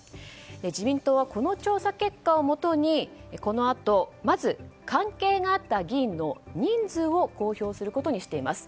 自民党はこの調査結果をもとにこのあとまず関係があった議員の人数を公表することにしています。